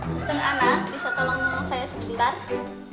suster ana bisa tolong nunggu saya sebentar